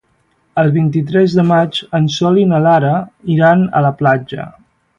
El vint-i-tres de maig en Sol i na Lara iran a la platja.